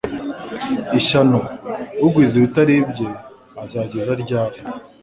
ishyano ugwiza ibitari ibye Azageza ryari